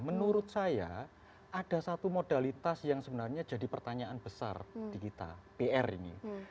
menurut saya ada satu modalitas yang sebenarnya jadi pertanyaan besar di kita pr ini